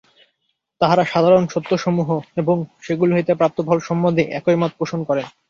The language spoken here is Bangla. তাঁহারা সাধারণ সত্যসমূহ এবং সেগুলি হইতে প্রাপ্ত ফল সম্বন্ধে একই মত পোষণ করেন।